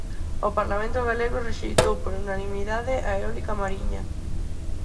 O Parlamento galego rexeitou por unanimidade a eólica mariña.